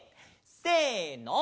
せの！